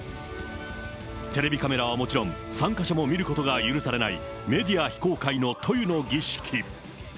テレビカメラはもちろん、参加者も見ることが許されない、メディア非公開の塗油の儀式。